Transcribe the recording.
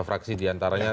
tiga fraksi diantaranya